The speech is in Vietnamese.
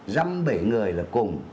dăm bảy người là cùng